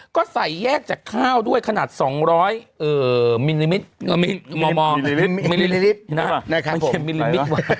ก็ใส่แยกจากข้าวด้วยขนาด๒๐๐มิลลินิตร